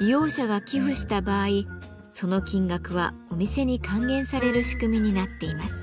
利用者が寄付した場合その金額はお店に還元される仕組みになっています。